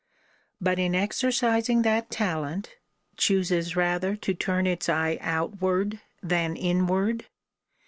But in exercising that talent, chooses rather to turn its eye outward than inward?